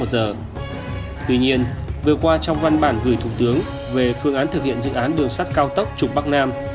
tuy nhiên vừa qua trong văn bản gửi thủ tướng về phương án thực hiện dự án đường sắt cao tốc trục bắc nam